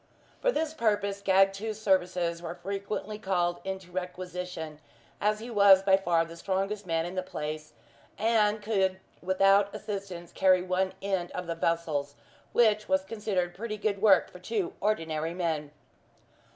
For this purpose Gagtooth's services were frequently called into requisition, as he was by far the strongest man about the place, and could without assistance carry one end of one of the vessels, which was considered pretty good work for two ordinary men.